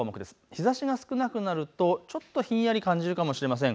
日ざしが少なくなるとちょっとひんやり感じるかもしれません。